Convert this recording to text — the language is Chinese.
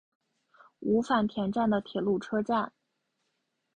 五反田站的铁路车站。